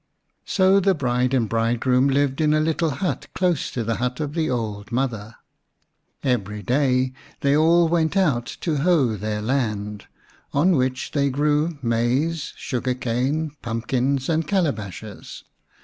So the bride and bridegroom lived in a little hut close to the hut of the old mother. Every day they all went out to hoe their land, on which they grew maize, sugar cane, pumpkins, and calabashes.